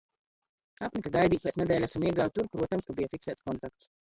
Apnika gaidīt pēc nedēļas un iegāju tur, protams, ka bija fiksēts kontakts.